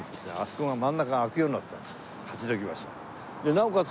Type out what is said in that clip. なおかつ